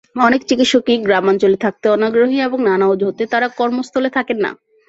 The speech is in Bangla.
অনেক চিকিৎসকই গ্রামাঞ্চলে থাকতে অনাগ্রহী এবং নানা অজুহাতে তারা কর্মস্থলে থাকেন না।